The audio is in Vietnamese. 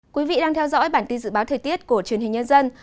quý vị đang theo dõi bản tin dự báo thời tiết của truyền hình nhân dân